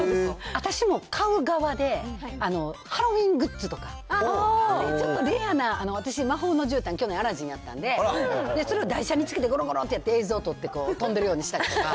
私も買う側で、ハロウィーングッズとか、ちょっとレアな、私、魔法のじゅうたん、去年、アラジンやったんで、それを台車につけてごろごろってやって、映像にして飛んでるようにしたりとか。